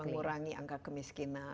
mengurangi angka kemiskinan